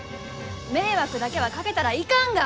迷惑だけはかけたらいかんが！